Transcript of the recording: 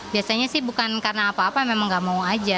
biasanya sih bukan karena apa apa memang gak mau aja